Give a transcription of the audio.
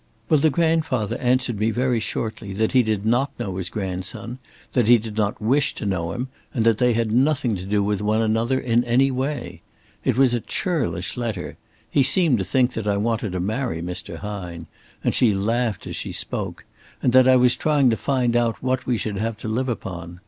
"Well, the grandfather answered me very shortly that he did not know his grandson, that he did not wish to know him, and that they had nothing to do with one another in any way. It was a churlish letter. He seemed to think that I wanted to marry Mr. Hine," and she laughed as she spoke, "and that I was trying to find out what we should have to live upon.